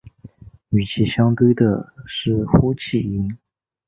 与其相对的是呼气音。